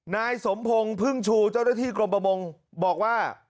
นายสมพงศ์พึ่งชูเจ้าหน้าที่กรมประมงบอกว่า